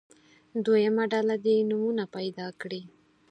دویمه ډله دې نومونه پیدا کړي.